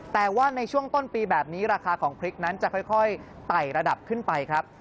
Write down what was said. แต่ว่าในช่วงต้นปีแบบนี้ราคาของพริกนั้นจะค่อยไต่ระดับขึ้นไปครับ